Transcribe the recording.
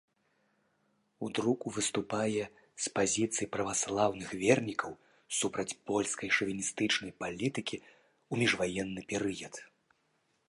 У друку выступае з пазіцый праваслаўных вернікаў, супраць польскай шавіністычнай палітыкі ў міжваенны перыяд.